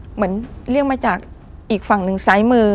เหมือนเรียกมาจากอีกฝั่งนึงซ้ายมือ